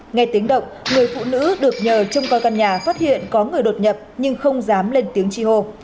nghe tiếng động người phụ nữ được nhờ trông coi căn nhà phát hiện có người đột nhập nhưng không dám lên tiếng chi hô